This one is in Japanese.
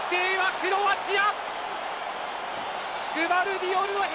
クロアチア。